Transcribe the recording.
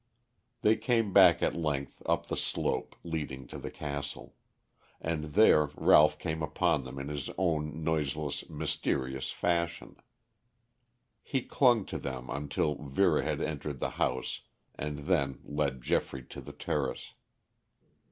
They came back at length up the slope leading to the castle. And there Ralph came upon them in his own noiseless, mysterious fashion. He clung to them until Vera had entered the house and then led Geoffrey to the terrace.